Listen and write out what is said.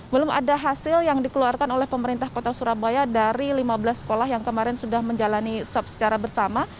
belum ada hasil yang dikeluarkan oleh pemerintah kota surabaya dari lima belas sekolah yang kemarin sudah menjalani swab secara bersama